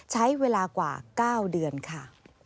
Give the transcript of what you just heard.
ใช้เวลากว่า๙เดือนค่ะ